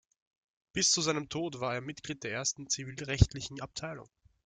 Bis zu seinem Tod war er Mitglied der ersten zivilrechtlichen Abteilung.